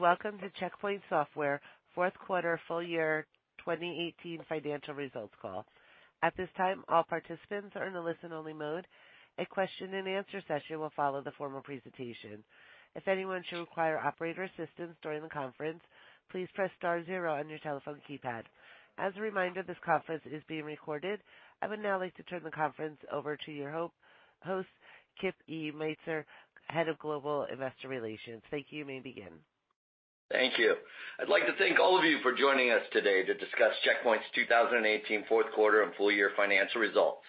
Welcome to Check Point Software fourth quarter full year 2018 financial results call. At this time, all participants are in a listen-only mode. A question and answer session will follow the formal presentation. If anyone should require operator assistance during the conference, please press star zero on your telephone keypad. As a reminder, this conference is being recorded. I would now like to turn the conference over to your host, Kip E. Matser, Head of Global Investor Relations. Thank you. You may begin. Thank you. I'd like to thank all of you for joining us today to discuss Check Point's 2018 fourth quarter and full year financial results.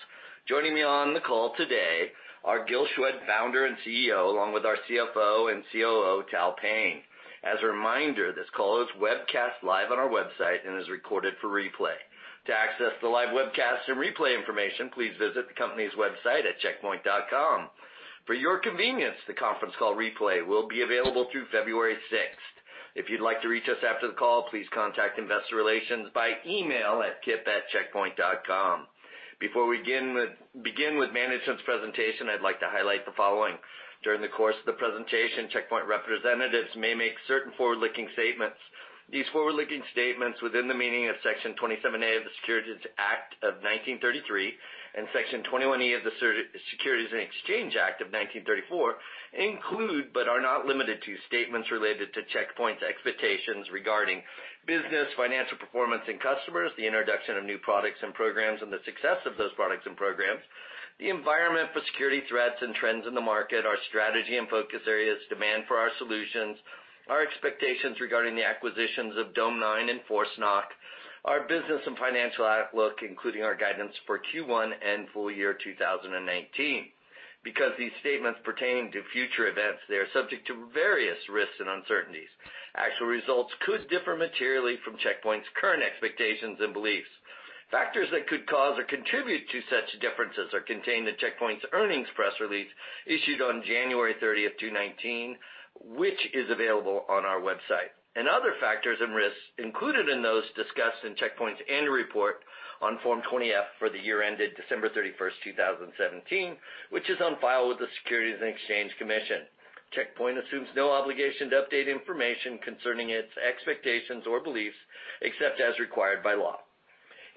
Joining me on the call today are Gil Shwed, Founder and CEO, along with our CFO and COO, Tal Payne. As a reminder, this call is webcast live on our website and is recorded for replay. To access the live webcast and replay information, please visit the company's website at checkpoint.com. For your convenience, the conference call replay will be available through February 6th. If you'd like to reach us after the call, please contact investor relations by email at kip@checkpoint.com. Before we begin with management's presentation, I'd like to highlight the following. During the course of the presentation, Check Point representatives may make certain forward-looking statements. These forward-looking statements within the meaning of Section 27A of the Securities Act of 1933 and Section 21E of the Securities Exchange Act of 1934 include, but are not limited to, statements related to Check Point's expectations regarding business, financial performance in customers, the introduction of new products and programs, and the success of those products and programs, the environment for security threats and trends in the market, our strategy and focus areas, demand for our solutions, our expectations regarding the acquisitions of Dome9 and ForceNock, our business and financial outlook, including our guidance for Q1 and full year 2019. Because these statements pertain to future events, they are subject to various risks and uncertainties. Actual results could differ materially from Check Point's current expectations and beliefs. Factors that could cause or contribute to such differences are contained in Check Point's earnings press release issued on January 30th, 2019, which is available on our website. Other factors and risks included in those discussed in Check Point's annual report on Form 20-F for the year ended December 31st, 2017, which is on file with the Securities and Exchange Commission. Check Point assumes no obligation to update information concerning its expectations or beliefs except as required by law.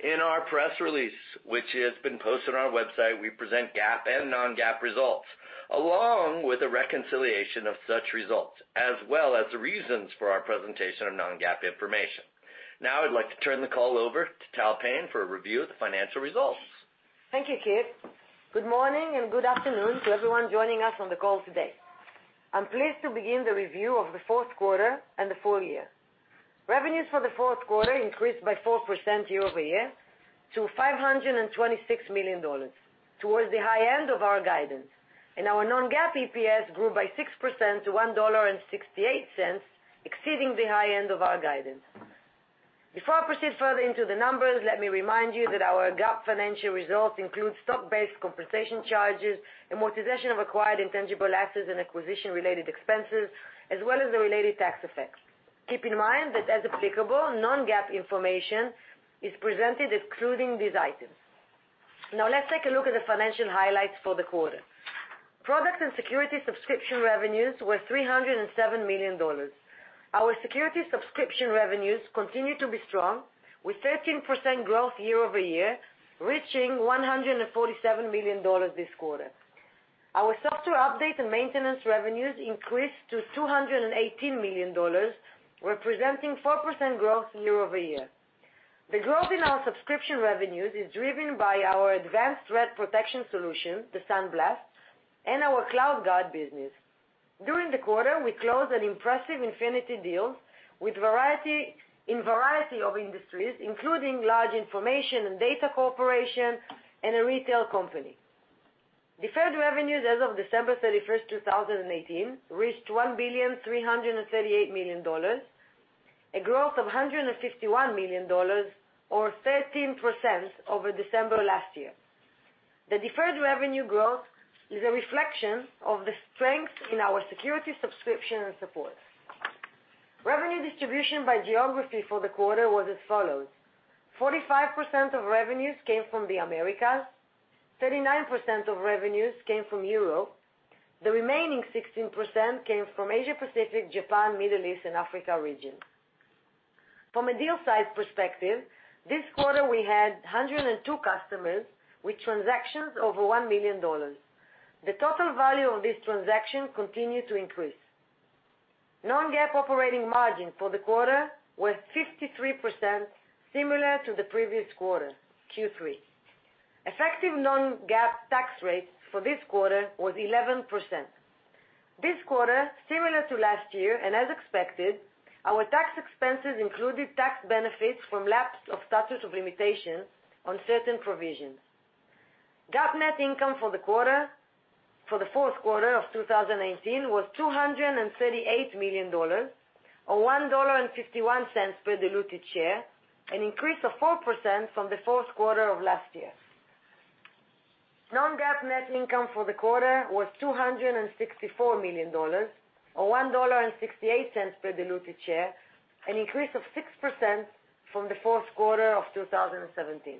In our press release, which has been posted on our website, we present GAAP and non-GAAP results along with a reconciliation of such results, as well as the reasons for our presentation of non-GAAP information. Now I'd like to turn the call over to Tal Payne for a review of the financial results. Thank you, Kip. Good morning and good afternoon to everyone joining us on the call today. I'm pleased to begin the review of the fourth quarter and the full year. Revenues for the fourth quarter increased by 4% year-over-year to $526 million, towards the high end of our guidance, and our non-GAAP EPS grew by 6% to $1.68, exceeding the high end of our guidance. Before I proceed further into the numbers, let me remind you that our GAAP financial results include stock-based compensation charges, amortization of acquired intangible assets, and acquisition-related expenses, as well as the related tax effects. Keep in mind that as applicable, non-GAAP information is presented excluding these items. Now let's take a look at the financial highlights for the quarter. Products and security subscription revenues were $307 million. Our security subscription revenues continue to be strong, with 13% growth year-over-year, reaching $147 million this quarter. Our software update and maintenance revenues increased to $218 million, representing 4% growth year-over-year. The growth in our subscription revenues is driven by our advanced threat protection solution, the SandBlast, and our CloudGuard business. During the quarter, we closed an impressive Infinity deal in variety of industries, including large information and data corporation and a retail company. Deferred revenues as of December 31st, 2018, reached $1,338 million, a growth of $151 million or 13% over December last year. The deferred revenue growth is a reflection of the strength in our security subscription and support. Revenue distribution by geography for the quarter was as follows: 45% of revenues came from the Americas, 39% of revenues came from Europe. The remaining 16% came from Asia Pacific, Japan, Middle East, and Africa region. From a deal size perspective, this quarter we had 102 customers with transactions over $1 million. The total value of this transaction continued to increase. Non-GAAP operating margin for the quarter was 53%, similar to the previous quarter, Q3. Effective non-GAAP tax rate for this quarter was 11%. This quarter, similar to last year and as expected, our tax expenses included tax benefits from lapse of statute of limitations on certain provisions. GAAP net income for the fourth quarter of 2018 was $238 million, or $1.51 per diluted share, an increase of 4% from the fourth quarter of last year. Non-GAAP net income for the quarter was $264 million, or $1.68 per diluted share, an increase of 6% from the fourth quarter of 2017.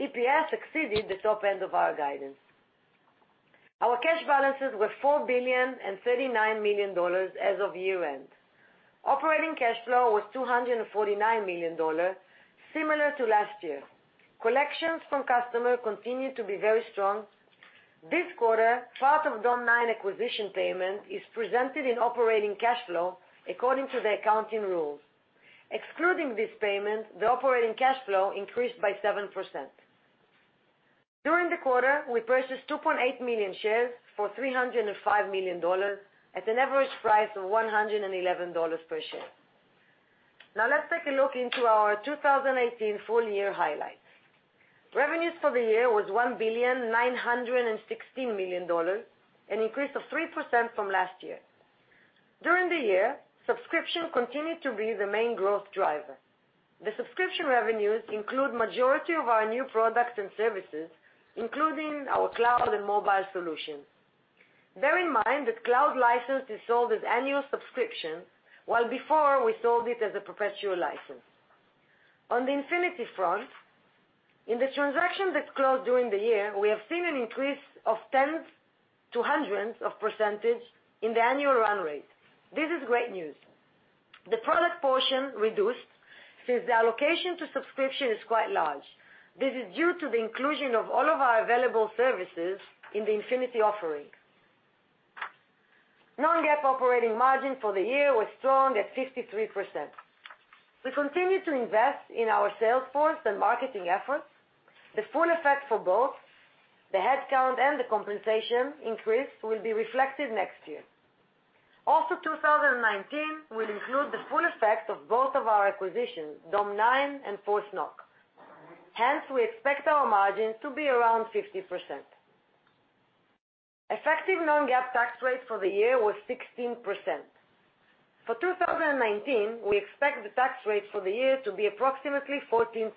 EPS exceeded the top end of our guidance. Our cash balances were $4,039 million as of year-end. Operating cash flow was $249 million, similar to last year. Collections from customer continued to be very strong. This quarter, part of Dome9 acquisition payment is presented in operating cash flow according to the accounting rules. Excluding this payment, the operating cash flow increased by 7%. During the quarter, we purchased 2.8 million shares for $305 million, at an average price of $111 per share. Now let's take a look into our 2018 full year highlights. Revenues for the year was $1,916 million, an increase of 3% from last year. During the year, subscription continued to be the main growth driver. The subscription revenues include majority of our new products and services, including our cloud and mobile solutions. Bear in mind that cloud license is sold as annual subscription, while before we sold it as a perpetual license. On the Infinity front, in the transactions that closed during the year, we have seen an increase of tens to hundreds of percentage in the annual run rate. This is great news. The product portion reduced, since the allocation to subscription is quite large. This is due to the inclusion of all of our available services in the Infinity offering. Non-GAAP operating margin for the year was strong at 53%. We continue to invest in our sales force and marketing efforts. The full effect for both, the headcount and the compensation increase, will be reflected next year. Also, 2019 will include the full effect of both of our acquisitions, Dome9 and ForceNock. Hence, we expect our margin to be around 50%. Effective non-GAAP tax rate for the year was 16%. For 2019, we expect the tax rate for the year to be approximately 14%,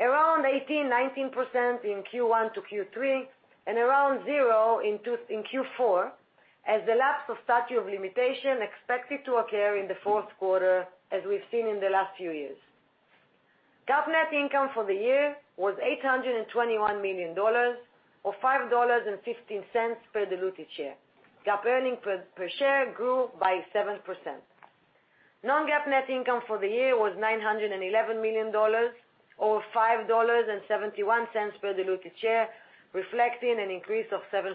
around 18%-19% in Q1 to Q3, and around 0 in Q4, as the lapse of statute of limitation expected to occur in the fourth quarter, as we've seen in the last few years. GAAP net income for the year was $821 million, or $5.15 per diluted share. GAAP earning per share grew by 7%. Non-GAAP net income for the year was $911 million, or $5.71 per diluted share, reflecting an increase of 7%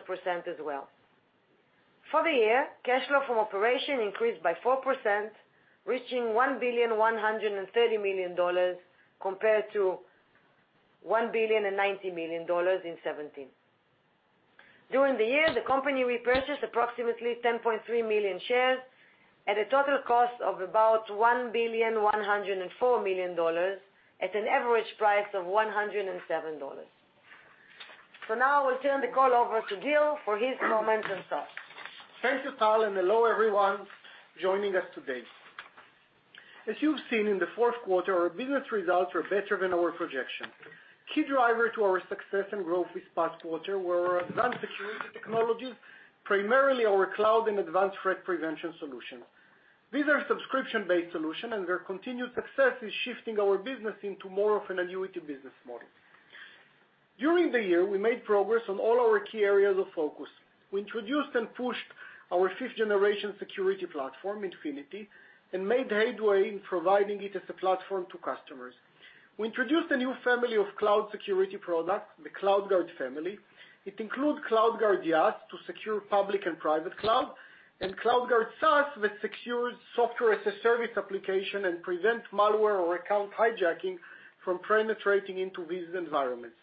as well. For the year, cash flow from operation increased by 4%, reaching $1 billion 130 million, compared to $1 billion 90 million in 2017. During the year, the company repurchased approximately 10.3 million shares, at a total cost of about $1 billion 104 million, at an average price of $107. Now I'll turn the call over to Gil for his momentum talk. Thank you, Tal, and hello everyone joining us today. As you've seen in the fourth quarter, our business results were better than our projection. Key driver to our success and growth this past quarter were our advanced security technologies, primarily our cloud and advanced threat prevention solution. These are subscription-based solution, and their continued success is shifting our business into more of an annuity business model. During the year, we made progress on all our key areas of focus. We introduced and pushed our fifth-generation security platform, Infinity, and made headway in providing it as a platform to customers. We introduced a new family of cloud security product, the CloudGuard family. It includes CloudGuard IaaS, to secure public and private cloud, and CloudGuard SaaS, which secures Software as a Service application and prevents malware or account hijacking from penetrating into these environments.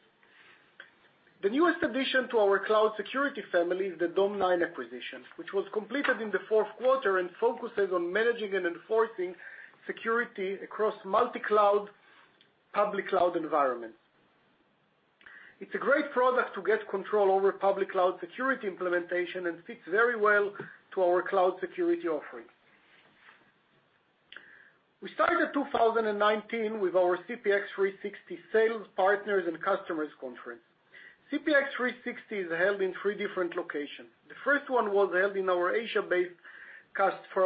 The newest addition to our cloud security family is the Dome9 acquisition, which was completed in the fourth quarter and focuses on managing and enforcing security across multi-cloud, public cloud environments. It's a great product to get control over public cloud security implementation and fits very well to our cloud security offering. We started 2019 with our CPX 360 sales partners and customers conference. CPX 360 is held in three different locations. The first one was held for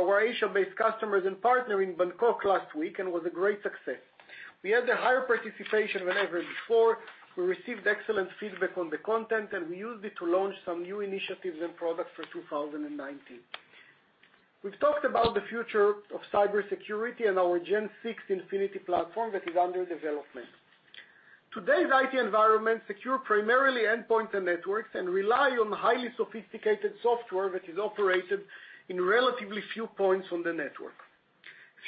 our Asia-based customers and partner in Bangkok last week, and was a great success. We had the higher participation than ever before. We received excellent feedback on the content, and we used it to launch some new initiatives and products for 2019. We've talked about the future of cybersecurity and our Gen6 Infinity platform that is under development. Today's IT environment secure primarily endpoint and networks and rely on highly sophisticated software that is operated in relatively few points on the network.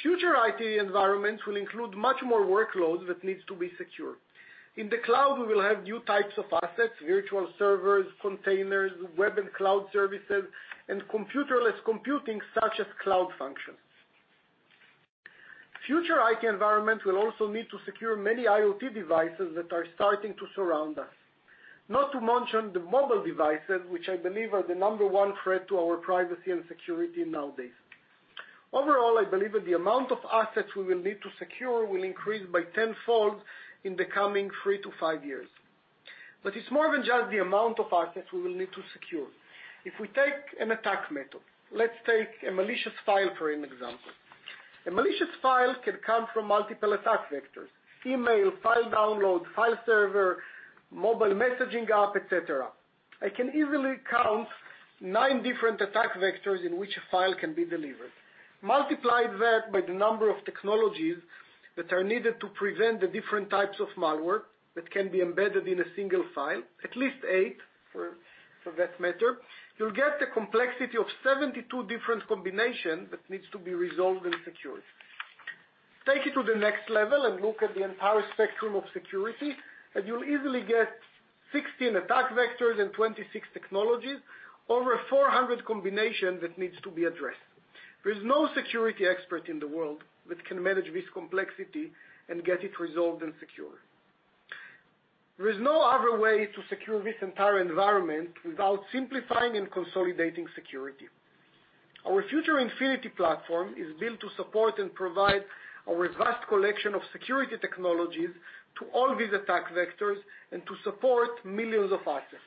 Future IT environments will include much more workloads that needs to be secure. In the cloud, we will have new types of assets, virtual servers, containers, web and cloud services, and computerless computing such as cloud functions. Future IT environment will also need to secure many IoT devices that are starting to surround us. Not to mention the mobile devices, which I believe are the number one threat to our privacy and security nowadays. Overall, I believe that the amount of assets we will need to secure will increase by tenfold in the coming three to five years. It's more than just the amount of assets we will need to secure. If we take an attack method, let's take a malicious file for an example. A malicious file can come from multiple attack vectors: email, file download, file server, mobile messaging app, et cetera. I can easily count nine different attack vectors in which a file can be delivered. Multiply that by the number of technologies that are needed to prevent the different types of malware that can be embedded in a single file, at least eight, for that matter, you'll get the complexity of 72 different combination that needs to be resolved and secured. Take it to the next level and look at the entire spectrum of security, you'll easily get 16 attack vectors and 26 technologies, over 400 combination that needs to be addressed. There's no security expert in the world that can manage this complexity and get it resolved and secure. There is no other way to secure this entire environment without simplifying and consolidating security. Our future Infinity platform is built to support and provide our vast collection of security technologies to all these attack vectors and to support millions of assets.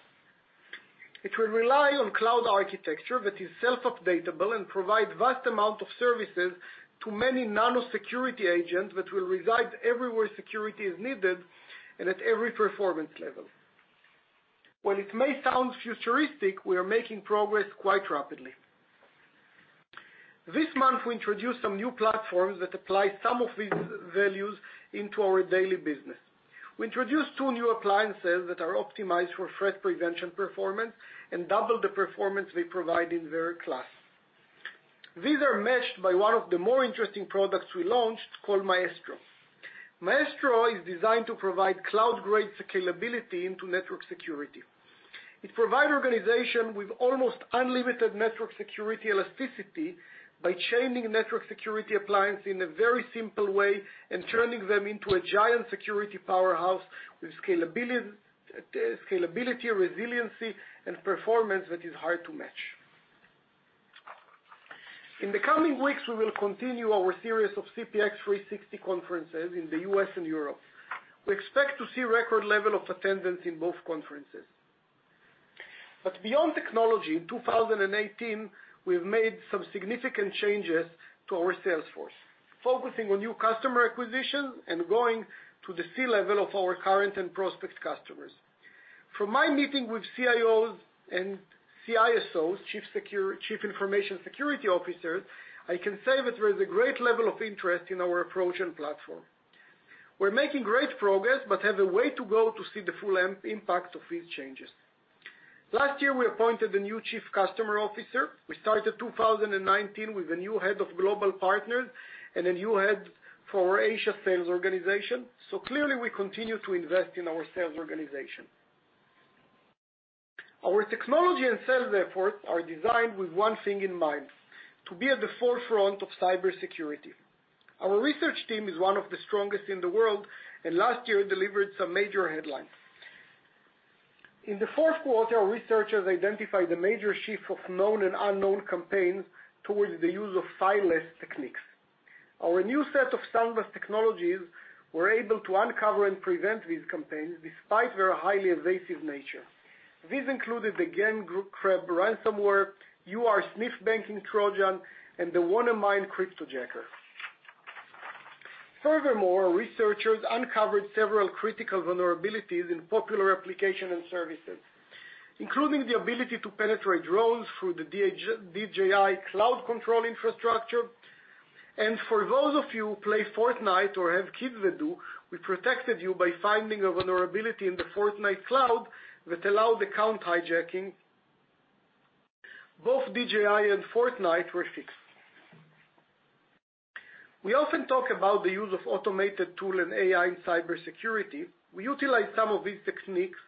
It will rely on cloud architecture that is self-updatable and provide vast amount of services to many nano security agents that will reside everywhere security is needed and at every performance level. While it may sound futuristic, we are making progress quite rapidly. This month, we introduced some new platforms that apply some of these values into our daily business. We introduced two new appliances that are optimized for threat prevention performance and double the performance we provide in their class. These are matched by one of the more interesting products we launched, called Maestro. Maestro is designed to provide cloud-grade scalability into network security. It provide organization with almost unlimited network security elasticity by chaining network security appliance in a very simple way and turning them into a giant security powerhouse with scalability, resiliency, and performance that is hard to match. In the coming weeks, we will continue our series of CPX 360 conferences in the U.S. and Europe. We expect to see record level of attendance in both conferences. Beyond technology, in 2018, we've made some significant changes to our sales force, focusing on new customer acquisition and going to the C-level of our current and prospect customers. From my meeting with CIOs and CISOs, chief information security officers, I can say that there is a great level of interest in our approach and platform. We're making great progress but have a way to go to see the full impact of these changes. Last year, we appointed a new chief customer officer. We started 2019 with a new head of global partners and a new head for our Asia sales organization. Clearly, we continue to invest in our sales organization. Our technology and sales effort are designed with one thing in mind, to be at the forefront of cybersecurity. Our research team is one of the strongest in the world, and last year delivered some major headlines. In the fourth quarter, our researchers identified a major shift of known and unknown campaigns towards the use of fileless techniques. Our new set of SandBlast technologies were able to uncover and prevent these campaigns despite their highly evasive nature. These included the GandCrab ransomware, Ursnif banking Trojan, and the CoinMiner cryptojacker. Furthermore, researchers uncovered several critical vulnerabilities in popular application and services, including the ability to penetrate drones through the DJI cloud control infrastructure. For those of you who play Fortnite or have kids that do, we protected you by finding a vulnerability in the Fortnite cloud that allowed account hijacking. Both DJI and Fortnite were fixed. We often talk about the use of automated tool and AI in cybersecurity. We utilized some of these techniques,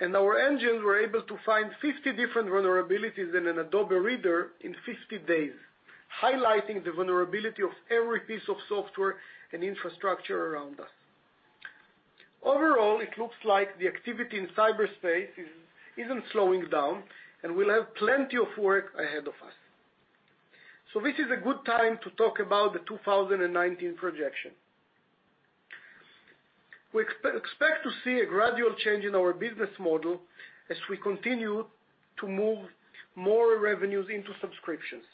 and our engines were able to find 50 different vulnerabilities in an Adobe Reader in 50 days, highlighting the vulnerability of every piece of software and infrastructure around us. Overall, it looks like the activity in cyberspace isn't slowing down, and we'll have plenty of work ahead of us. This is a good time to talk about the 2019 projection. We expect to see a gradual change in our business model as we continue to move more revenues into subscriptions.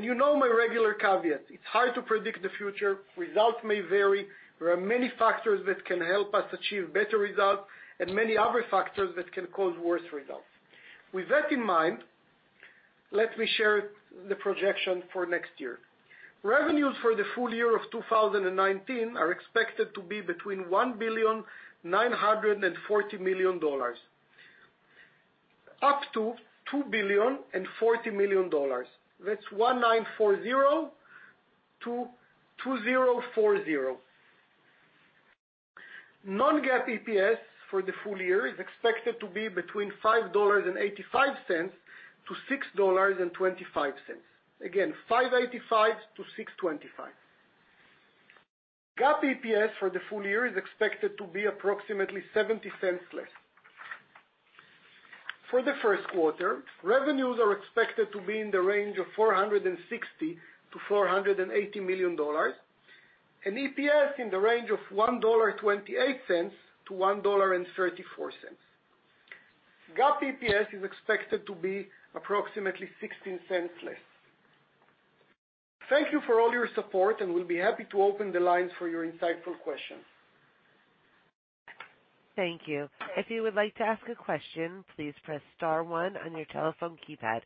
You know my regular caveat, it's hard to predict the future. Results may vary. There are many factors that can help us achieve better results and many other factors that can cause worse results. With that in mind, let me share the projection for next year. Revenues for the full year of 2019 are expected to be between $1,940 million up to $2,040 million. That's $1,940 million to $2,040 million. Non-GAAP EPS for the full year is expected to be between $5.85-$6.25. Again, $5.85-$6.25. GAAP EPS for the full year is expected to be approximately $0.70 less. For the first quarter, revenues are expected to be in the range of $460 million-$480 million, and EPS in the range of $1.28-$1.34. GAAP EPS is expected to be approximately $0.16 less. Thank you for all your support. We'll be happy to open the lines for your insightful questions. Thank you. If you would like to ask a question, please press star one on your telephone keypad.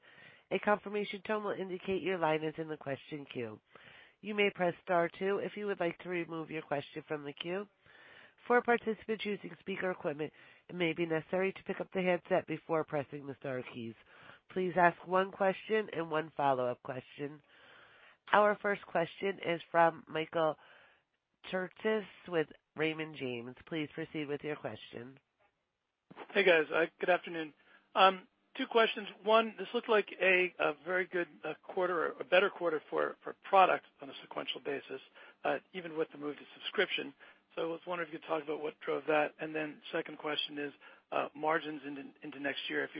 A confirmation tone will indicate your line is in the question queue. You may press star two if you would like to remove your question from the queue. For participants using speaker equipment, it may be necessary to pick up the headset before pressing the star keys. Please ask one question and one follow-up question. Our first question is from Michael Turits with Raymond James. Please proceed with your question. Hey, guys. Good afternoon. Two questions. One, this looked like a very good quarter or a better quarter for product on a sequential basis, even with the move to subscription. I was wondering if you could talk about what drove that. Second question is, margins into next year, as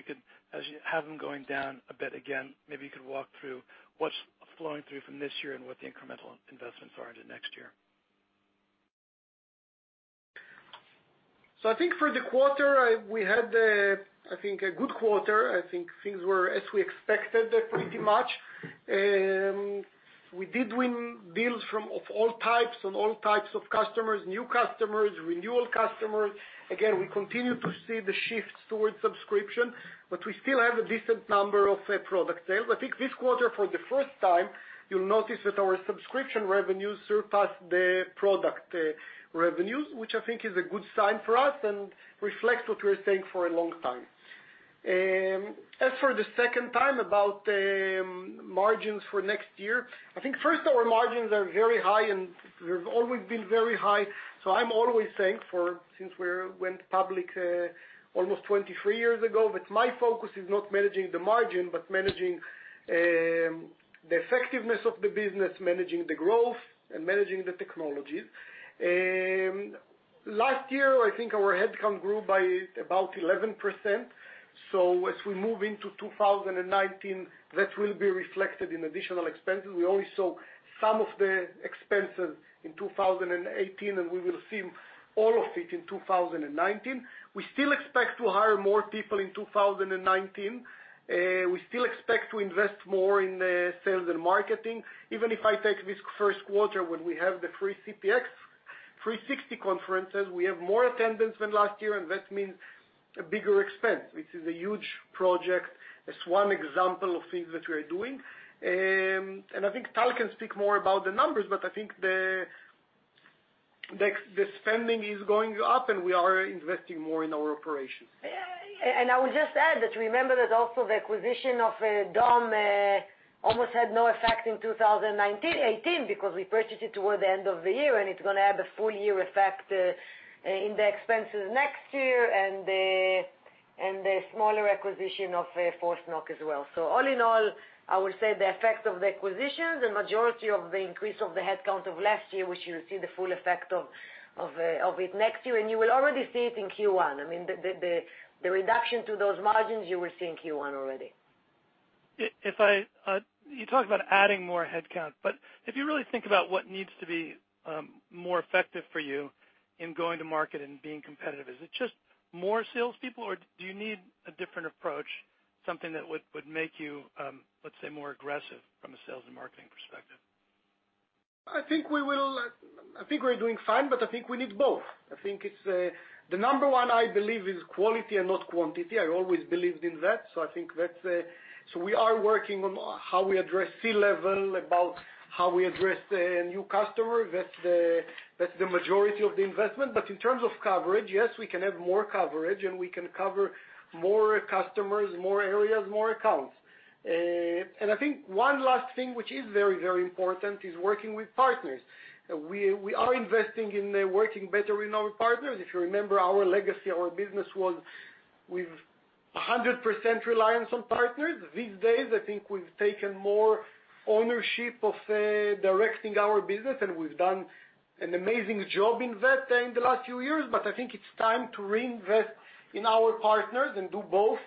you have them going down a bit again, maybe you could walk through what's flowing through from this year and what the incremental investments are into next year. I think for the quarter, we had, I think, a good quarter. I think things were as we expected pretty much. We did win deals of all types, on all types of customers, new customers, renewal customers. Again, we continue to see the shift towards subscription, but we still have a decent number of product sales. I think this quarter, for the first time, you'll notice that our subscription revenues surpassed the product revenues, which I think is a good sign for us and reflects what we're saying for a long time. As for the second time, about margins for next year, I think first, our margins are very high, and they've always been very high. I'm always thankful since we went public almost 23 years ago, but my focus is not managing the margin, but managing the effectiveness of the business, managing the growth, and managing the technologies. Last year, I think our headcount grew by about 11%. As we move into 2019, that will be reflected in additional expenses. We only saw some of the expenses in 2018, and we will see all of it in 2019. We still expect to hire more people in 2019. We still expect to invest more in sales and marketing. Even if I take this first quarter when we have the three CPX 360 conferences, we have more attendance than last year, and that means a bigger expense, which is a huge project. That's one example of things that we're doing. I think Tal Payne can speak more about the numbers, I think the spending is going up, and we are investing more in our operations. I would just add that remember that also the acquisition of Dome9 almost had no effect in 2018 because we purchased it toward the end of the year, it's going to have a full year effect in the expenses next year and the smaller acquisition of ForceNock as well. All in all, I would say the effects of the acquisitions, the majority of the increase of the headcount of last year, which you'll see the full effect of it next year, and you will already see it in Q1. I mean, the reduction to those margins, you will see in Q1 already. You talk about adding more headcount, but if you really think about what needs to be more effective for you in going to market and being competitive, is it just more salespeople, or do you need a different approach, something that would make you, let's say, more aggressive from a sales and marketing perspective? I think we're doing fine, I think we need both. I think the number 1, I believe, is quality and not quantity. I always believed in that. We are working on how we address C-level, about how we address a new customer. That's the majority of the investment. In terms of coverage, yes, we can have more coverage, and we can cover more customers, more areas, more accounts. I think one last thing which is very important is working with partners. We are investing in working better with our partners. If you remember our legacy, our business was with 100% reliance on partners. These days, I think we've taken more ownership of directing our business, and we've done an amazing job in that in the last few years. I think it's time to reinvest in our partners and do both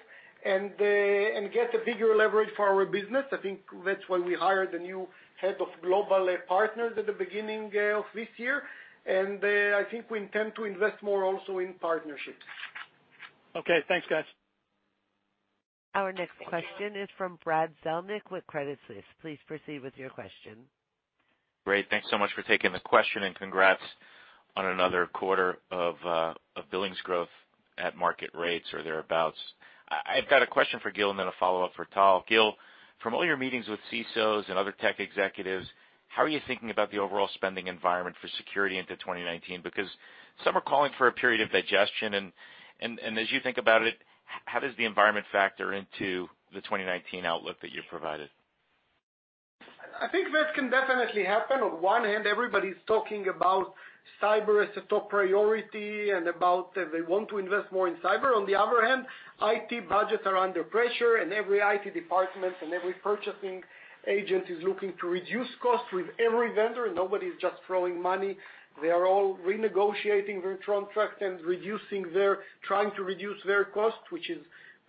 and get a bigger leverage for our business. I think that's why we hired a new head of global partners at the beginning of this year, I think we intend to invest more also in partnerships. Okay. Thanks, guys. Our next question is from Brad Zelnick with Credit Suisse. Please proceed with your question. Great. Thanks so much for taking the question, congrats on another quarter of billings growth at market rates or thereabouts. I've got a question for Gil and then a follow-up for Tal. Gil, from all your meetings with CISOs and other tech executives, how are you thinking about the overall spending environment for security into 2019? Some are calling for a period of digestion, and as you think about it, how does the environment factor into the 2019 outlook that you've provided? I think that can definitely happen. On one hand, everybody's talking about cyber as a top priority and about they want to invest more in cyber. On the other hand, IT budgets are under pressure, and every IT department and every purchasing agent is looking to reduce costs with every vendor. Nobody's just throwing money. They are all renegotiating their contracts and trying to reduce their costs, which is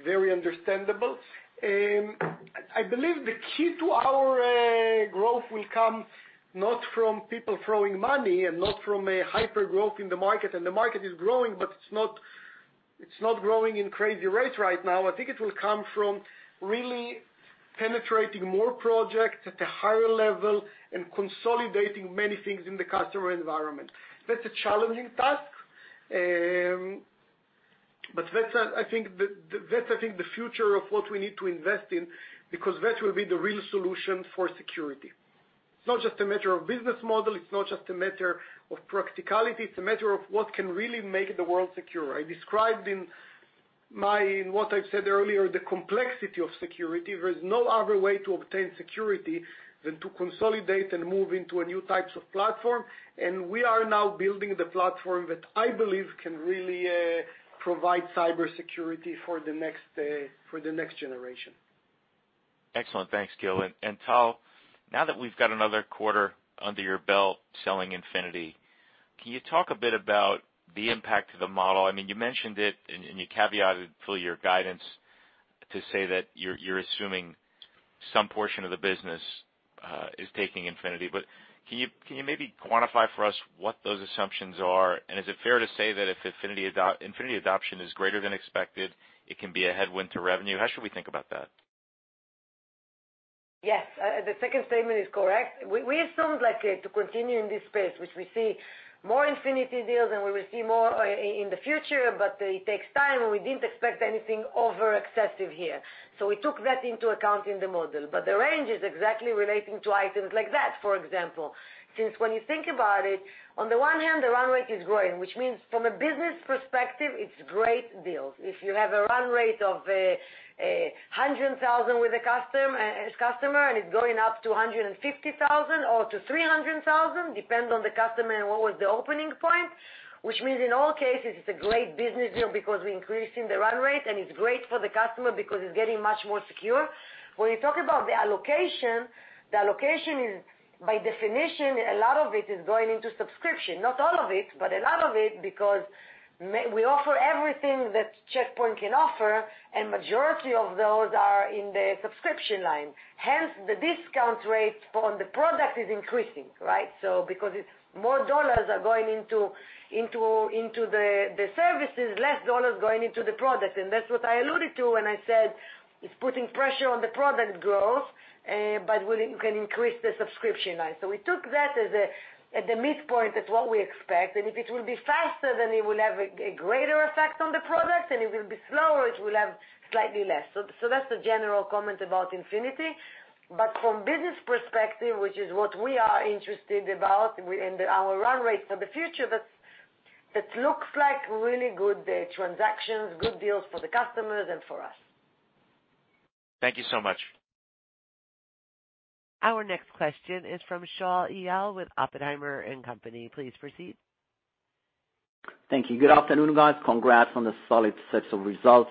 very understandable. I believe the key to our growth will come not from people throwing money and not from a hyper-growth in the market, and the market is growing, but it's not growing in crazy rates right now. I think it will come from really penetrating more projects at a higher level and consolidating many things in the customer environment. That's a challenging task. That's, I think, the future of what we need to invest in, because that will be the real solution for security. It's not just a matter of business model, it's not just a matter of practicality, it's a matter of what can really make the world secure. I described in what I said earlier, the complexity of security. There is no other way to obtain security than to consolidate and move into a new types of platform. We are now building the platform that I believe can really provide cybersecurity for the next generation. Excellent. Thanks, Gil. Tal, now that we've got another quarter under your belt selling Infinity, can you talk a bit about the impact of the model? You mentioned it and you caveated fully your guidance to say that you're assuming some portion of the business is taking Infinity. Can you maybe quantify for us what those assumptions are? Is it fair to say that if Infinity adoption is greater than expected, it can be a headwind to revenue? How should we think about that? Yes. The second statement is correct. We assumed like to continue in this space, which we see more Infinity deals and we will see more in the future, but it takes time, and we didn't expect anything over excessive here. We took that into account in the model. The range is exactly relating to items like that, for example. When you think about it, on the one hand, the run rate is growing, which means from a business perspective, it's great deals. If you have a run rate of $100,000 with a customer, and it's going up to $150,000 or to $300,000, depend on the customer and what was the opening point, which means in all cases, it's a great business deal because we're increasing the run rate, and it's great for the customer because it's getting much more secure. When you talk about the allocation, the allocation is by definition, a lot of it is going into subscription. Not all of it, but a lot of it because we offer everything that Check Point can offer, and majority of those are in the subscription line. Hence, the discount rate on the product is increasing, right? Because more dollars are going into the services, less dollars going into the product. That's what I alluded to when I said it's putting pressure on the product growth, but we can increase the subscription line. We took that as a midpoint. That's what we expect. If it will be faster, then it will have a greater effect on the product, and it will be slower, it will have slightly less. That's the general comment about Infinity. From business perspective, which is what we are interested about and our run rate for the future, that looks like really good transactions, good deals for the customers and for us. Thank you so much. Our next question is from Shaul Eyal with Oppenheimer & Co.. Please proceed. Thank you. Good afternoon, guys. Congrats on the solid sets of results.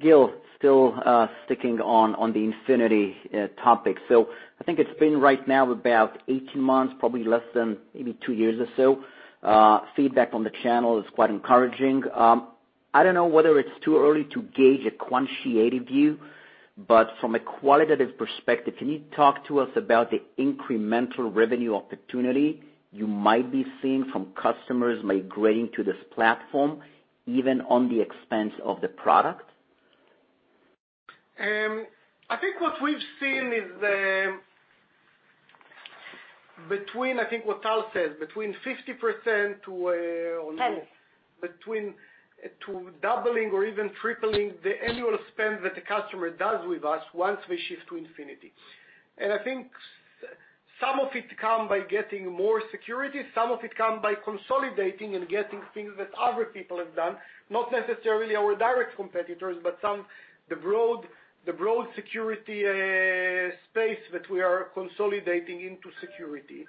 Gil, still sticking on the Infinity topic. I think it's been right now about 18 months, probably less than maybe 2 years or so. Feedback from the channel is quite encouraging. I don't know whether it's too early to gauge a quantitative view, but from a qualitative perspective, can you talk to us about the incremental revenue opportunity you might be seeing from customers migrating to this platform, even on the expense of the product? I think what we've seen is, I think what Tal says, between 50%. Ten. Between doubling or even tripling the annual spend that the customer does with us once we shift to Infinity. I think some of it come by getting more security, some of it come by consolidating and getting things that other people have done, not necessarily our direct competitors, but the broad security space that we are consolidating into security.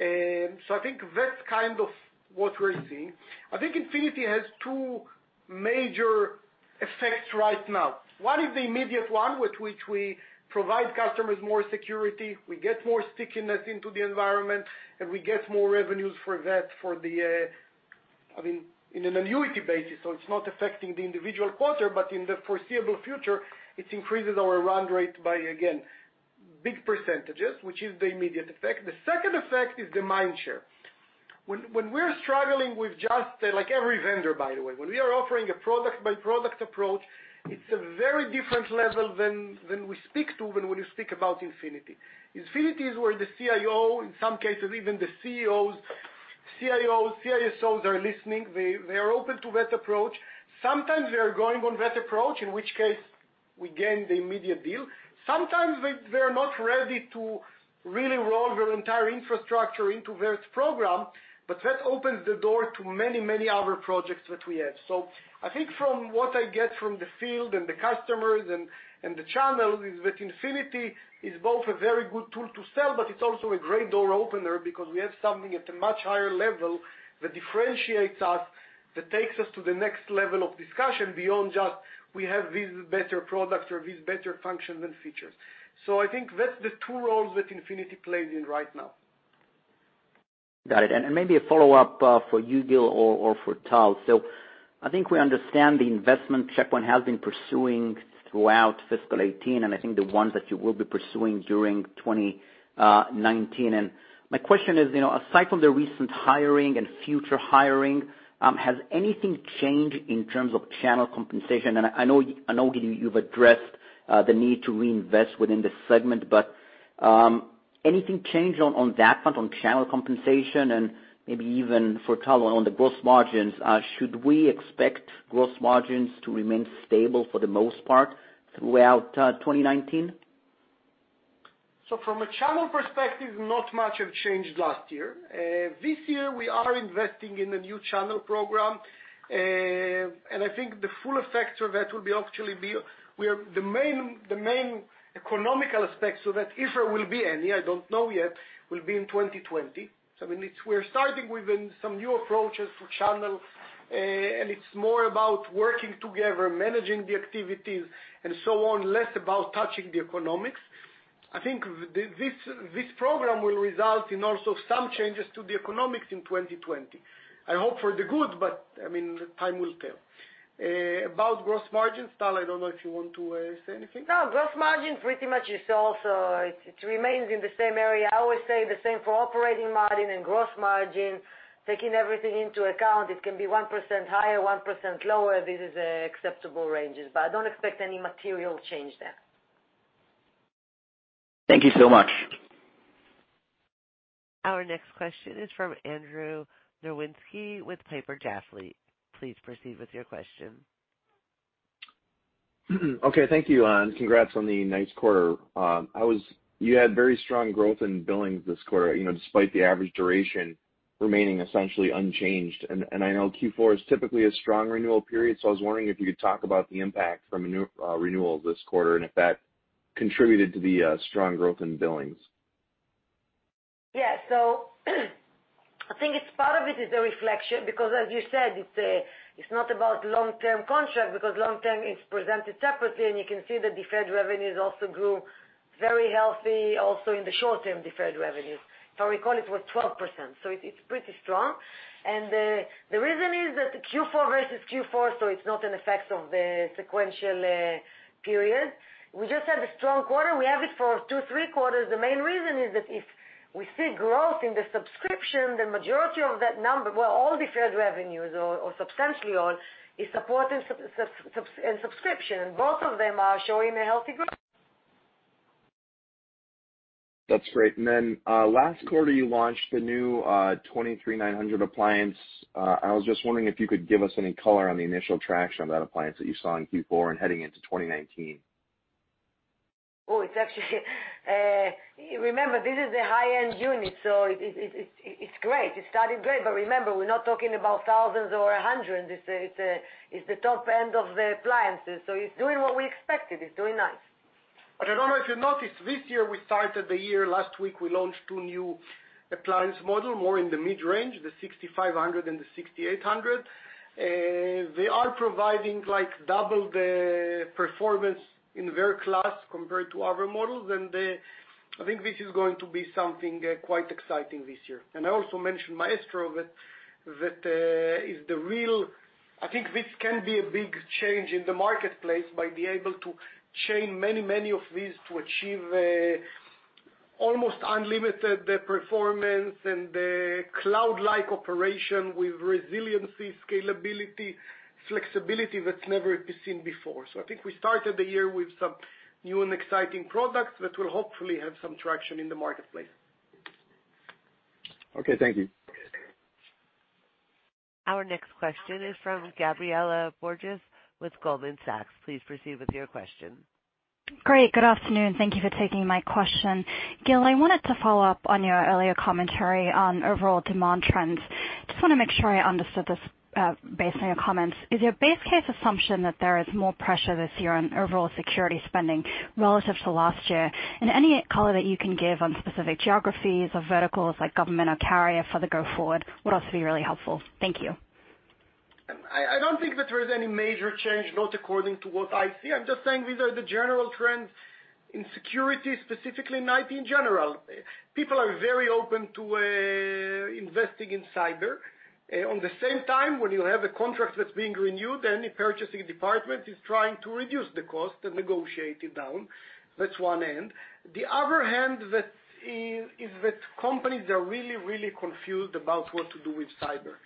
I think that's kind of what we're seeing. I think Infinity has 2 major effects right now. One is the immediate one with which we provide customers more security, we get more stickiness into the environment, and we get more revenues for that in an annuity basis. It's not affecting the individual quarter, but in the foreseeable future, it increases our run rate by, again, big percentages, which is the immediate effect. The second effect is the mind share. When we're struggling with just, like every vendor, by the way, when we are offering a product by product approach, it's a very different level than we speak to when you speak about Infinity. Infinity is where the CIO, in some cases, even the CEOs, CIOs, CSOs are listening. They are open to that approach. Sometimes they are going on that approach, in which case we gain the immediate deal. Sometimes they're not ready to really roll their entire infrastructure into that program. That opens the door to many, many other projects that we have. I think from what I get from the field and the customers and the channel is that Infinity is both a very good tool to sell, but it's also a great door opener because we have something at a much higher level that differentiates us, that takes us to the next level of discussion beyond just we have this better product or this better function and features. I think that's the two roles that Infinity plays in right now. Got it. Maybe a follow-up for you, Gil, or for Tal. I think we understand the investment Check Point has been pursuing throughout fiscal 2018, and I think the ones that you will be pursuing during 2019. My question is, aside from the recent hiring and future hiring, has anything changed in terms of channel compensation? I know, Gil, you've addressed the need to reinvest within the segment, but anything changed on that front, on channel compensation? Maybe even for Tal on the gross margins, should we expect gross margins to remain stable for the most part throughout 2019? From a channel perspective, not much have changed last year. This year, we are investing in a new channel program. I think the full effect of that will actually be The main economical aspect, so that if there will be any, I don't know yet, will be in 2020. We're starting with some new approaches for channel, it's more about working together, managing the activities, and so on, less about touching the economics. I think this program will result in also some changes to the economics in 2020. I hope for the good, but time will tell. About gross margins, Tal, I don't know if you want to say anything. No. Gross margin pretty much it remains in the same area. I always say the same for operating margin and gross margin. Taking everything into account, it can be 1% higher, 1% lower. This is acceptable ranges, but I don't expect any material change there. Thank you so much. Our next question is from Andrew Nowinski with Piper Jaffray. Please proceed with your question. Okay. Thank you, and congrats on the nice quarter. You had very strong growth in billings this quarter, despite the average duration remaining essentially unchanged. I know Q4 is typically a strong renewal period, so I was wondering if you could talk about the impact from renewals this quarter and if that contributed to the strong growth in billings. Yeah. I think part of it is a reflection, because as you said, it's not about long-term contract, because long-term is presented separately, and you can see the deferred revenues also grew very healthy, also in the short-term deferred revenues. If I recall, it was 12%, so it's pretty strong. The reason is that Q4 versus Q4, so it's not an effect of the sequential period. We just had a strong quarter. We have it for two, three quarters. The main reason is that if we see growth in the subscription, the majority of that number, well, all deferred revenues or substantially all, is supported in subscription. Both of them are showing a healthy growth. That's great. Last quarter, you launched the new Check Point 23900 appliance. I was just wondering if you could give us any color on the initial traction of that appliance that you saw in Q4 and heading into 2019. It's actually. Remember, this is a high-end unit, so it's great. It started great, but remember, we're not talking about thousands or hundreds. It's the top end of the appliances. It's doing what we expected. It's doing nice. I don't know if you noticed, this year we started the year, last week, we launched two new appliance model, more in the mid-range, the Check Point 6500 and the Check Point 6800. They are providing double the performance in their class compared to our models. I think this is going to be something quite exciting this year. I also mentioned Check Point Maestro, I think this can be a big change in the marketplace by being able to chain many of these to achieve almost unlimited performance and cloud-like operation with resiliency, scalability, flexibility that's never been seen before. I think we started the year with some new and exciting products that will hopefully have some traction in the marketplace. Okay. Thank you. Our next question is from Gabriela Borges with Goldman Sachs. Please proceed with your question. Great. Good afternoon. Thank you for taking my question. Gil, I wanted to follow up on your earlier commentary on overall demand trends. Just want to make sure I understood this, based on your comments. Is your base case assumption that there is more pressure this year on overall security spending relative to last year? Any color that you can give on specific geographies or verticals like government or carrier for the go forward would also be really helpful. Thank you. I don't think that there's any major change, not according to what I see. I'm just saying these are the general trends in security, specifically in IT in general. People are very open to investing in cyber. On the same time, when you have a contract that's being renewed, any purchasing department is trying to reduce the cost and negotiate it down. That's one end. The other end is that companies are really, really confused about what to do with cyber.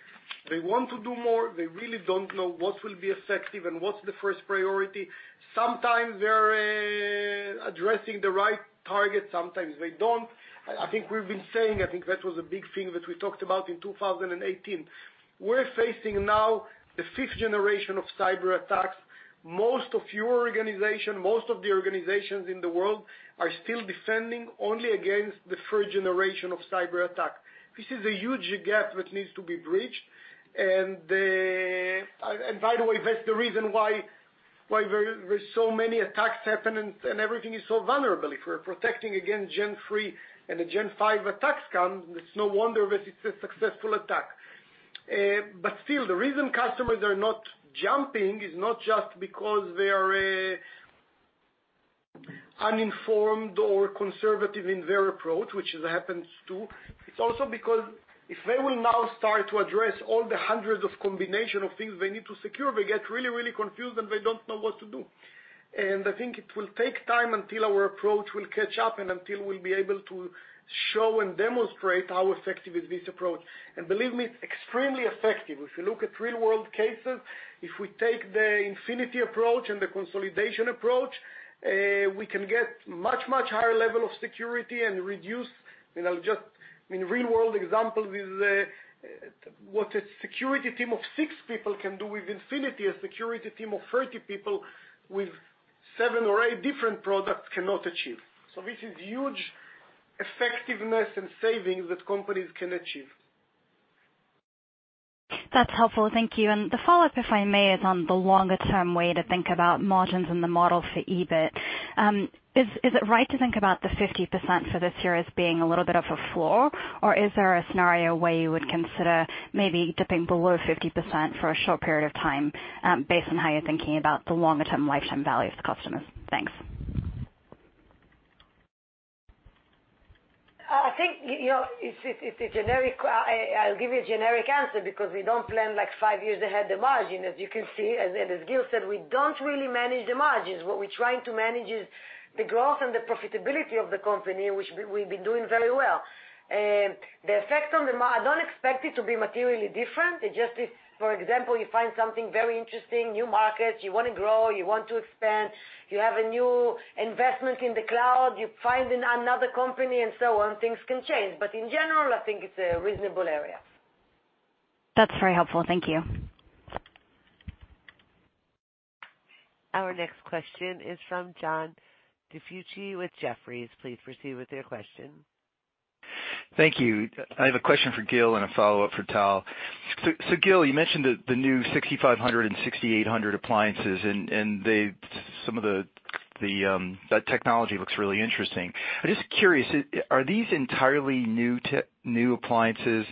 They want to do more. They really don't know what will be effective and what's the first priority. Sometimes they're addressing the right target, sometimes they don't. I think we've been saying, I think that was a big thing that we talked about in 2018. We're facing now the fifth generation of cyber attacks. Most of your organization, most of the organizations in the world are still defending only against the third generation of cyber attack. This is a huge gap that needs to be bridged. By the way, that's the reason why there's so many attacks happening and everything is so vulnerable. If we're protecting against Gen 3 and the Gen 5 attacks come, it's no wonder that it's a successful attack. Still, the reason customers are not jumping is not just because they are uninformed or conservative in their approach, which it happens too. It's also because if they will now start to address all the hundreds of combination of things they need to secure, they get really, really confused and they don't know what to do. I think it will take time until our approach will catch up, until we'll be able to show and demonstrate how effective is this approach. Believe me, it's extremely effective. If you look at real-world cases, if we take the Infinity approach and the consolidation approach, we can get much, much higher level of security and reduce, just in real-world example, what a security team of six people can do with Infinity, a security team of 30 people with seven or eight different products cannot achieve. This is huge effectiveness and savings that companies can achieve. That's helpful. Thank you. The follow-up, if I may, is on the longer-term way to think about margins and the model for EBIT. Is it right to think about the 50% for this year as being a little bit of a floor? Or is there a scenario where you would consider maybe dipping below 50% for a short period of time, based on how you're thinking about the longer-term lifetime value of the customers? Thanks. I think, I'll give you a generic answer because we don't plan like five years ahead the margin, as you can see. As Gil said, we don't really manage the margins. What we're trying to manage is the growth and the profitability of the company, which we've been doing very well. The effect on the margin, I don't expect it to be materially different. It just is, for example, you find something very interesting, new markets, you want to grow, you want to expand, you have a new investment in the cloud, you find another company and so on, things can change. In general, I think it is a reasonable area. That's very helpful. Thank you. Our next question is from John DiFucci with Jefferies. Please proceed with your question. Thank you. I have a question for Gil and a follow-up for Tal. Gil, you mentioned the new 6500 and 6800 appliances, and some of that technology looks really interesting. I'm just curious, are these entirely new appliances,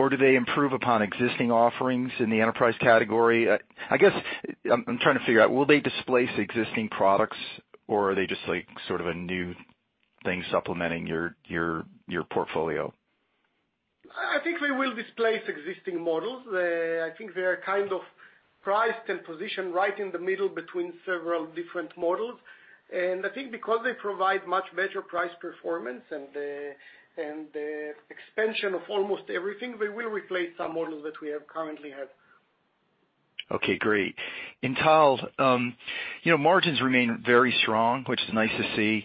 or do they improve upon existing offerings in the enterprise category? I guess, I'm trying to figure out, will they displace existing products, or are they just like sort of a new thing supplementing your portfolio? I think they will displace existing models. I think they're kind of priced and positioned right in the middle between several different models. I think because they provide much better price performance and the expansion of almost everything, they will replace some models that we currently have. Okay, great. Tal, margins remain very strong, which is nice to see.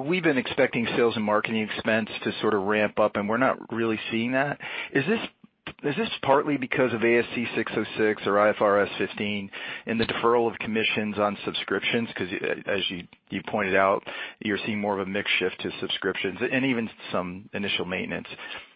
We've been expecting sales and marketing expense to sort of ramp up, and we're not really seeing that. Is this partly because of ASC 606 or IFRS 15 and the deferral of commissions on subscriptions? Because as you pointed out, you're seeing more of a mix shift to subscriptions and even some initial maintenance.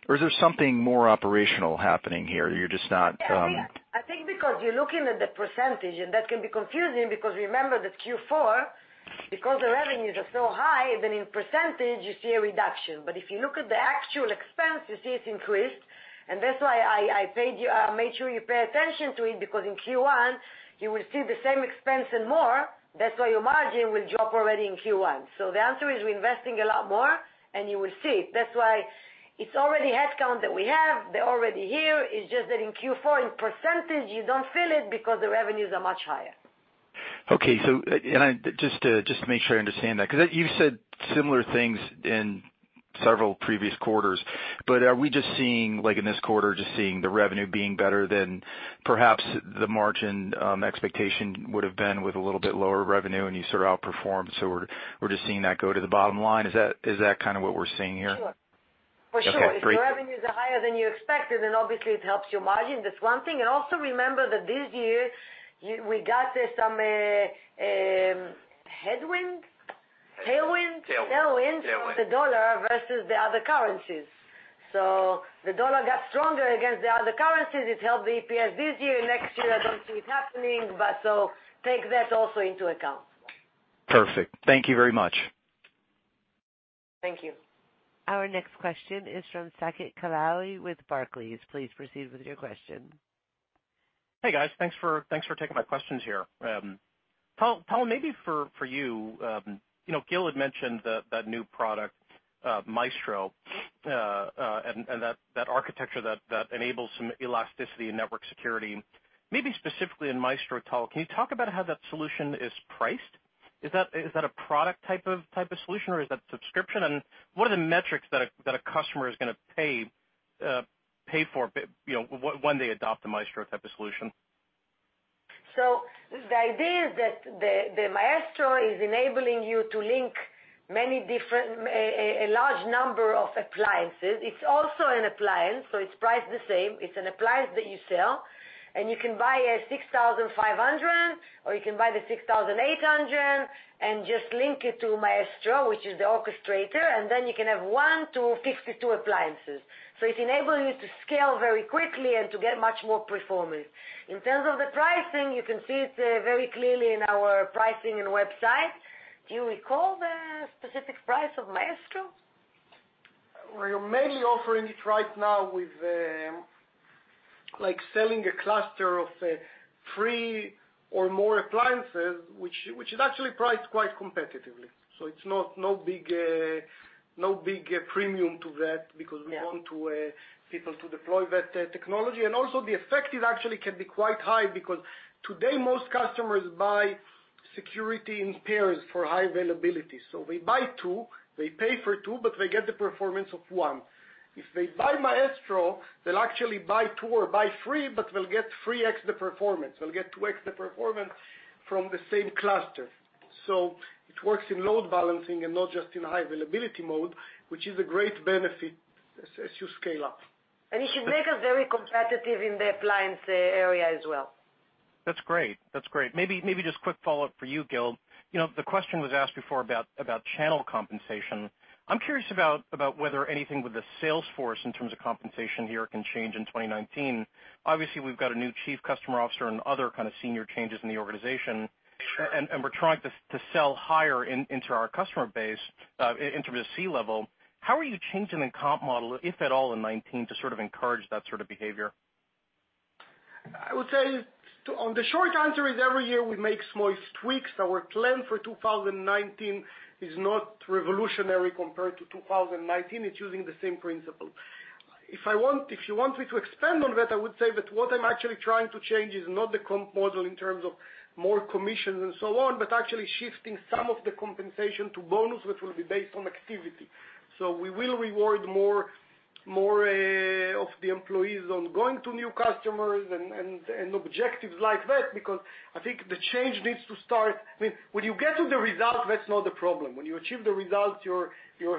Is there something more operational happening here? I think because you're looking at the %, that can be confusing because remember that Q4, because the revenues are so high, then in %, you see a reduction. If you look at the actual expense, you see it increased. That's why I made sure you pay attention to it, because in Q1, you will see the same expense and more. That's why your margin will drop already in Q1. The answer is, we're investing a lot more, and you will see it. That's why it's already headcount that we have. They're already here. It's just that in Q4, in %, you don't feel it because the revenues are much higher. Okay. Just to make sure I understand that, because you've said similar things in several previous quarters. Are we just seeing, like in this quarter, just seeing the revenue being better than perhaps the margin expectation would've been with a little bit lower revenue and you sort of outperformed, so we're just seeing that go to the bottom line? Is that kind of what we're seeing here? Sure. For sure. Okay, great. If your revenues are higher than you expected, obviously it helps your margin. That's one thing. Also remember that this year, we got some headwind, tailwind? Tailwind. Tailwind with the US dollar versus the other currencies. The US dollar got stronger against the other currencies. It helped the EPS this year. Next year, I don't see it happening, take that also into account. Perfect. Thank you very much. Thank you. Our next question is from Saket Kalia with Barclays. Please proceed with your question. Hey, guys. Thanks for taking my questions here. Tal, maybe for you, Gil had mentioned that new product, Maestro, and that architecture that enables some elasticity in network security. Maybe specifically in Maestro, Tal, can you talk about how that solution is priced? Is that a product type of solution or is that subscription? What are the metrics that a customer is going to pay for when they adopt a Maestro type of solution? The idea is that the Maestro is enabling you to link a large number of appliances. It's also an appliance, so it's priced the same. It's an appliance that you sell, and you can buy a 6,500, or you can buy the 6,800 and just link it to Maestro, which is the orchestrator, and then you can have one to 52 appliances. It's enabling you to scale very quickly and to get much more performance. In terms of the pricing, you can see it very clearly in our pricing and website. Do you recall the specific price of Maestro? We are mainly offering it right now with selling a cluster of three or more appliances, which is actually priced quite competitively. It's no big premium to that because we want people to deploy that technology. Also the effect actually can be quite high because today, most customers buy security in pairs for high availability. They buy two, they pay for two, but they get the performance of one. If they buy Maestro, they'll actually buy two or buy three, but they'll get 3x the performance. They'll get 2x the performance from the same cluster. It works in load balancing and not just in high availability mode, which is a great benefit as you scale up. It should make us very competitive in the appliance area as well. That's great. Maybe just a quick follow-up for you, Gil. The question was asked before about channel compensation. I'm curious about whether anything with the sales force in terms of compensation here can change in 2019. Obviously, we've got a new chief customer officer and other kind of senior changes in the organization. Sure. We're trying to sell higher into our customer base, in terms of C-level. How are you changing the comp model, if at all, in 2019, to sort of encourage that sort of behavior? I would say, the short answer is every year we make small tweaks. Our plan for 2019 is not revolutionary compared to 2019. It's using the same principle. If you want me to expand on that, I would say that what I'm actually trying to change is not the comp model in terms of more commissions and so on, but actually shifting some of the compensation to bonus, which will be based on activity. We will reward more of the employees on going to new customers and objectives like that, because I think the change needs to start. When you get to the result, that's not the problem. When you achieve the result, you're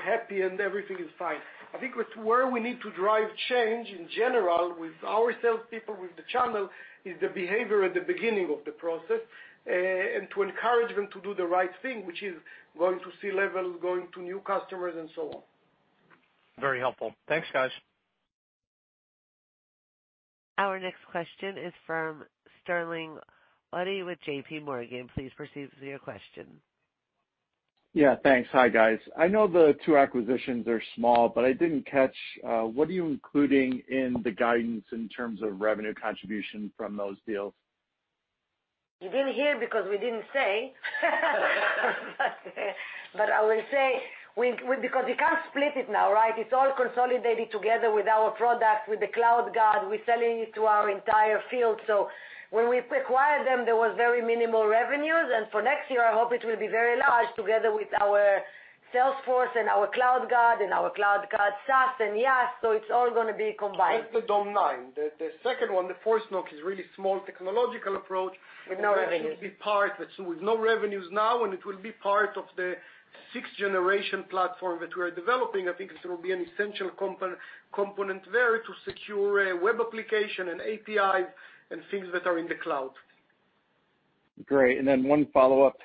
happy and everything is fine. I think that where we need to drive change, in general, with our salespeople, with the channel, is the behavior at the beginning of the process, and to encourage them to do the right thing, which is going to C-level, going to new customers, and so on. Very helpful. Thanks, guys. Our next question is from Sterling Auty with J.P. Morgan. Please proceed with your question. Yeah, thanks. Hi, guys. I know the two acquisitions are small, but I didn't catch, what are you including in the guidance in terms of revenue contribution from those deals? You didn't hear because we didn't say. I will say, because we can't split it now, right? It's all consolidated together with our product, with the CloudGuard. We're selling it to our entire field. When we acquired them, there was very minimal revenues, and for next year, I hope it will be very large together with our sales force and our CloudGuard and our CloudGuard SaaS and IaaS, so it's all going to be combined. That's the Dome9. The second one, the ForceNock, is really small technological approach. With no revenues. With no revenues now, and it will be part of the sixth-generation platform that we're developing. I think it will be an essential component there to secure web application and API and things that are in the cloud. Great. Then one follow-up.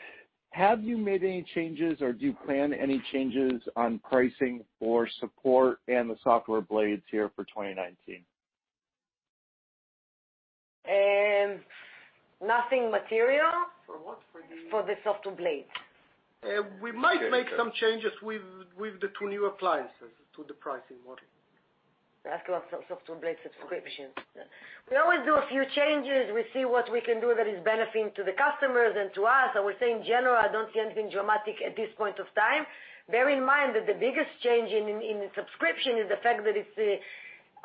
Have you made any changes, or do you plan any changes on pricing for support and the Software Blades here for 2019? Nothing material. For what? For the- For the Software Blade. We might make some changes with the two new appliances to the pricing model. That's Software Blade subscriptions. We always do a few changes. We see what we can do that is benefiting to the customers and to us. I would say, in general, I don't see anything dramatic at this point of time. Bear in mind that the biggest change in the subscription is the fact that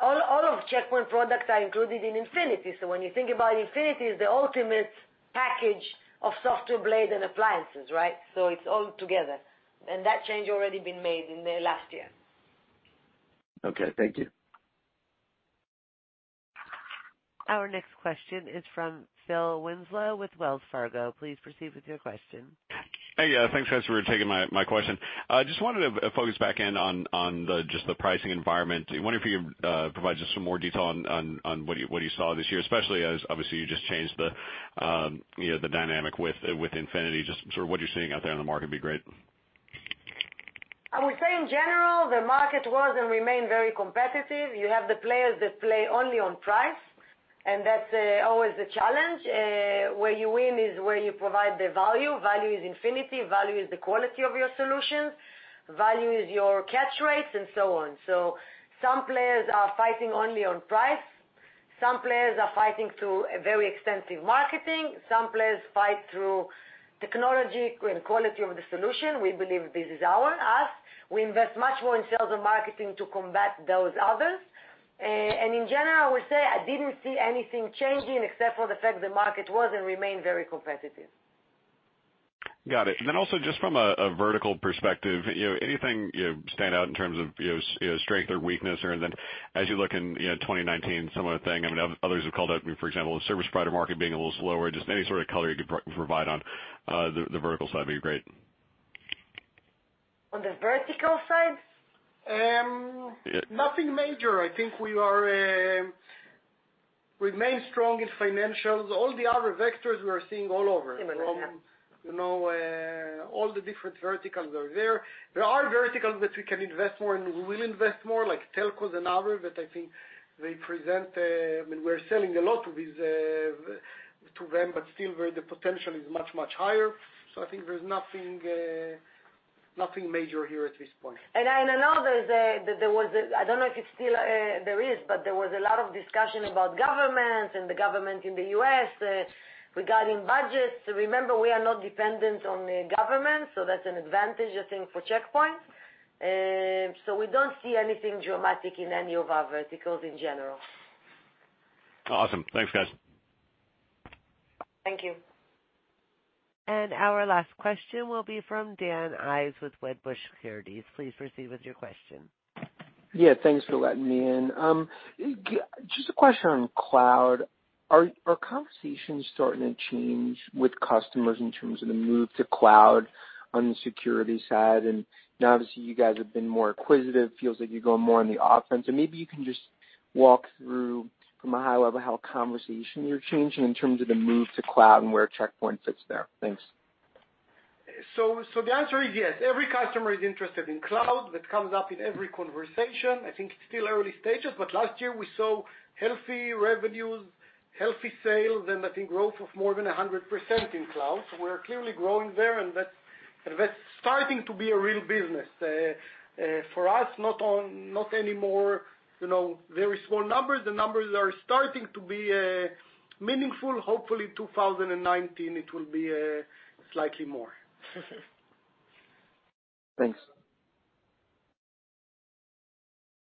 all of Check Point products are included in Infinity. When you think about Infinity, it's the ultimate package of Software Blade and appliances, right? It's all together. That change already been made in the last year. Okay. Thank you. Our next question is from Phil Winslow with Wells Fargo. Please proceed with your question. Hey. Thanks, guys, for taking my question. Just wanted to focus back in on just the pricing environment. I wonder if you could provide just some more detail on what you saw this year, especially as, obviously, you just changed the dynamic with Infinity. Just sort of what you're seeing out there in the market would be great. I would say, in general, the market was and remain very competitive. You have the players that play only on price, that's always a challenge. Where you win is where you provide the value. Value is Infinity, value is the quality of your solutions, value is your catch rates, and so on. Some players are fighting only on price. Some players are fighting through very extensive marketing. Some players fight through technology and quality of the solution. We believe this is ours. We invest much more in sales and marketing to combat those others. In general, I would say I didn't see anything changing except for the fact the market was and remain very competitive. Got it. Also just from a vertical perspective, anything stand out in terms of strength or weakness? As you look in 2019, some of the thing, others have called out, for example, the service provider market being a little slower, just any sort of color you could provide on the vertical side would be great. On the vertical side? Nothing major. I think we remain strong in financials. All the other vectors we are seeing all over. Similar, yeah. All the different verticals are there. There are verticals that we can invest more and we will invest more, like telcos and others, that I think. We're selling a lot to them, but still the potential is much, much higher. I think there's nothing major here at this point. I know there was, I don't know if it still is, but there was a lot of discussion about government and the government in the U.S. regarding budgets. Remember, we are not dependent on the government, that's an advantage, I think, for Check Point. We don't see anything dramatic in any of our verticals in general. Awesome. Thanks, guys. Thank you. Our last question will be from Daniel Ives with Wedbush Securities. Please proceed with your question. Yeah, thanks for letting me in. Just a question on cloud. Are conversations starting to change with customers in terms of the move to cloud on the security side? Obviously, you guys have been more acquisitive, feels like you're going more on the offense. Maybe you can just walk through from a high level how conversation you're changing in terms of the move to cloud and where Check Point sits there. Thanks. The answer is yes. Every customer is interested in cloud. That comes up in every conversation. I think it's still early stages, but last year we saw healthy revenues, healthy sales, and I think growth of more than 100% in cloud. We're clearly growing there, and that's starting to be a real business. For us, not anymore very small numbers. The numbers are starting to be meaningful. Hopefully, 2019, it will be slightly more. Thanks.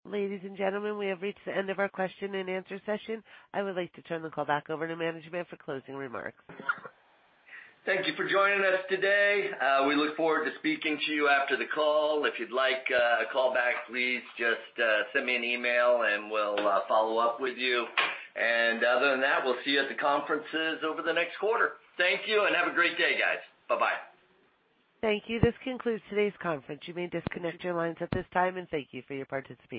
Ladies and gentlemen, we have reached the end of our question and answer session. I would like to turn the call back over to management for closing remarks. Thank you for joining us today. We look forward to speaking to you after the call. If you'd like a call back, please just send me an email and we'll follow up with you. Other than that, we'll see you at the conferences over the next quarter. Thank you and have a great day, guys. Bye-bye. Thank you. This concludes today's conference. You may disconnect your lines at this time, and thank you for your participation.